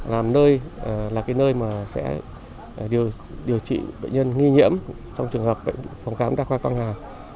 làm nơi là cái nơi mà sẽ điều trị bệnh nhân nghi nhiễm trong trường hợp phòng khám đa khoa quốc yên